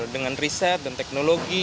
dengan riset dan teknologi